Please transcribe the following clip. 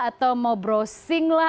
atau mau browsing lah